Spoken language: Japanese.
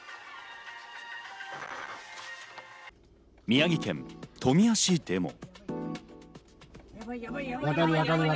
宮城県富谷市でも。